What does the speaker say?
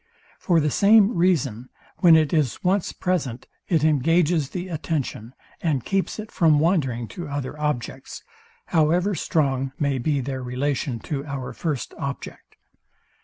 For the same reason, when it is once present, it engages the attention, and keeps it from wandering to other objects, however strong may be their relation to our first object.